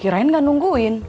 kirain gak nungguin